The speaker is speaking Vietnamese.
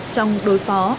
trong đối phó